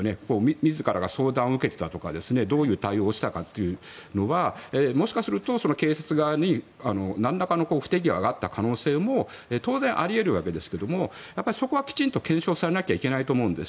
自らが相談を受けていたとかどういう対応をしたかというのはもしかすると、警察側になんらかの不手際があった可能性も当然あり得るわけですがそこはきちんと検証されなきゃいけないと思うんです。